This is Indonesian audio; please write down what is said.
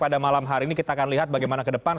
pada malam hari ini kita akan lihat bagaimana ke depan